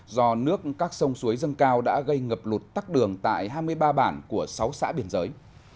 do nước các sông suối dâng cao đã gây ngập lụt tắc đường tại hai mươi ba bản của sáu xã biên giới